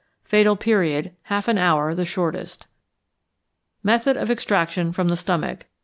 Fatal Period. Half an hour the shortest. _Method of Extraction from the Stomach.